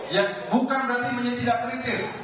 ya bukan berarti menjadi tidak kritis